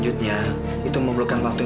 aduh dia lagi mau buat warung laksan